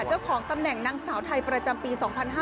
เจ้าของตำแหน่งนางสาวไทยประจำปี๒๕๕๙